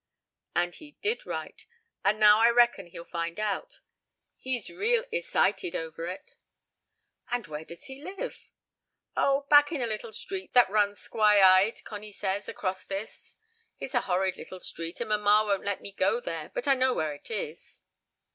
And he did write, and now I reckon he'll find out. He's real e'cited over it." "And where does he live?" "Oh, back in a little street that runs skwy eyed, Connie says, across this. It's a horrid little street, and mamma won't let me go there, but I know where it is."